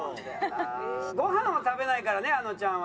ごはんを食べないからねあのちゃんは。